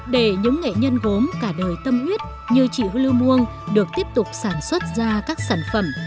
để những nghệ nhân gốm cả đời tâm huyết như chị lưu muông được tiếp tục sản xuất ra các sản phẩm